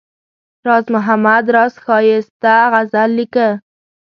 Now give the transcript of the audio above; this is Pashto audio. راز محمد راز ښایسته غزل لیکله.